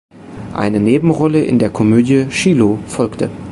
Eine Nebenrolle in der Komödie "Shiloh" folgte.